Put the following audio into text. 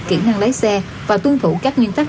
kỹ năng lái xe và tuân thủ các nguyên tắc